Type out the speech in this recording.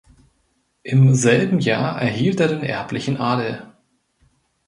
Im selben Jahr erhielt er den erblichen Adel.